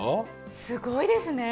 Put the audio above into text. すごいですね。